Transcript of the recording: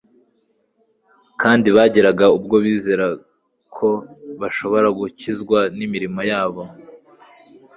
kandi bageraga ubwo bizera ko bashobora gukizwa n'imirimo yabo.